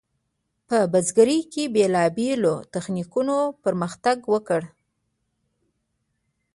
په بزګرۍ کې بیلابیلو تخنیکونو پرمختګ وکړ.